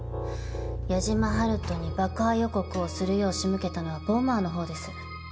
矢島ハルトに爆破予告をするよう仕向けたのはボマーのほうです。